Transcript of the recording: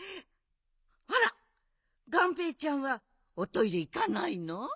あらがんぺーちゃんはおトイレいかないの？